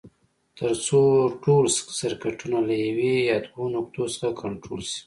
تر څو ټول سرکټونه له یوې یا دوو نقطو څخه کنټرول شي.